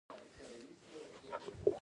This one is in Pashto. سرکانو ولسوالۍ لاره ده؟